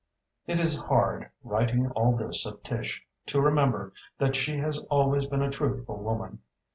It is hard, writing all this of Tish, to remember that she has always been a truthful woman.